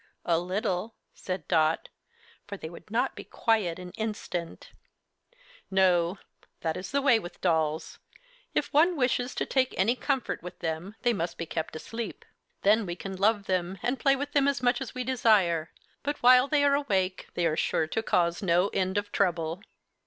"A little," said Dot, "for they would not be quiet an instant." "No; that is the way with dolls. If one wishes to take any comfort with them they must be kept asleep. Then we can love them and play with them as much as we desire, but while they are awake they are sure to cause no end of trouble."